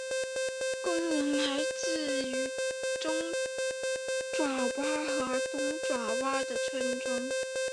工人来自中爪哇和东爪哇的村庄。